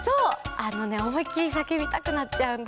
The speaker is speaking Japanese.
あのねおもいっきりさけびたくなっちゃうんだ。